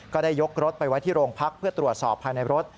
ได้ยกรถไปไว้ที่โรงพักเพื่อตรวจสอบภายในรถ